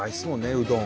うどん。